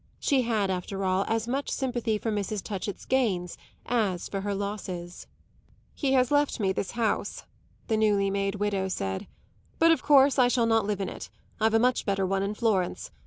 She had after all as much sympathy for Mrs. Touchett's gains as for her losses. "He has left me this house," the newly made widow said; "but of course I shall not live in it; I've a much better one in Florence.